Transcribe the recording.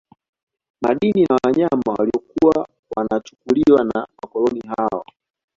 Madini na wanyama waliokuwa wanachukuliwa na wakoloni hao